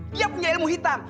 dia punya ilmu hitam